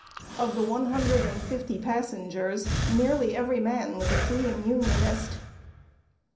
Of the one hundred and fifty passengers, nearly every man was a fleeing Unionist.